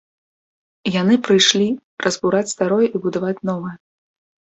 Яны прыйшлі разбураць старое і будаваць новае.